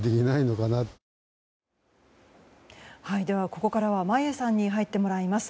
ここからは眞家さんに入ってもらいます。